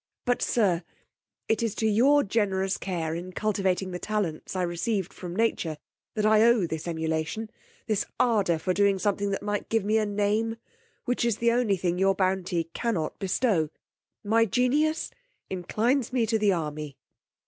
But, sir, it is to your generous care in cultivating the talents I received from nature, that I owe this emulation, this ardor for doing something that might give me a name, which is the only thing your bounty cannot bestow. My genius inclines me to the army.